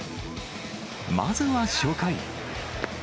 まずは初回。